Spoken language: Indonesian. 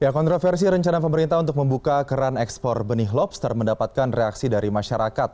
kontroversi rencana pemerintah untuk membuka keran ekspor benih lobster mendapatkan reaksi dari masyarakat